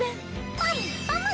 パムパム！